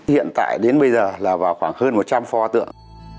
hiện tại đến bây giờ là vào khoảng hơn một trăm linh pho tượng